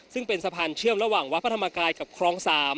ซึ่งเป็นสะพานเชื่อมระหว่างวัดพระธรรมกายกับคลอง๓